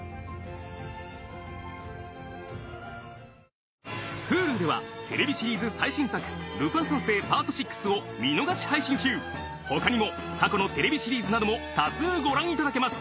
それぞれＨｕｌｕではテレビシリーズ最新作『ルパン三世ＰＡＲＴ６』を見逃し配信中他にも過去のテレビシリーズなども多数ご覧いただけます